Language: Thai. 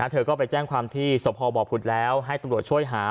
เธอก็ไปแจ้งความที่สพบผุดแล้วให้ตำรวจช่วยหา